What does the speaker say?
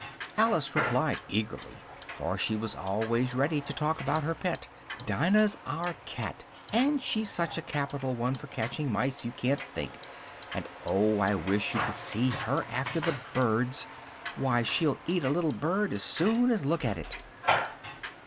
Alice replied eagerly, for she was always ready to talk about her pet, "Dinah's our cat. And she's such a capital one for catching mice, you can't think! And oh! I wish you could see her after the birds! Why, she'll eat a little bird as soon as look at it!"